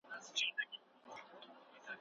تاسو په وطن کي د چا خدمت کوئ؟